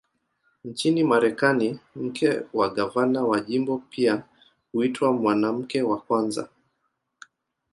Nchini Marekani, mke wa gavana wa jimbo pia huitwa "Mwanamke wa Kwanza".